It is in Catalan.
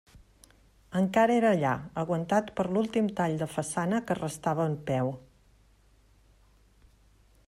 Encara era allà, aguantat per l'últim tall de façana que restava en peu.